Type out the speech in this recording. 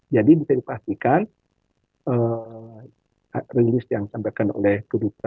jadi bisa dipastikan rilis yang disampaikan oleh kedutaan kursia